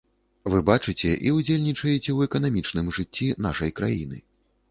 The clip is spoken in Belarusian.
Вы бачыце і ўдзельнічаеце ў эканамічным жыцці нашай краіны.